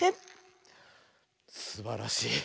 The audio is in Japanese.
すばらしい。